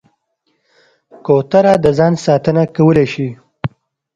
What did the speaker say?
کوتره د ځان ساتنه کولی شي.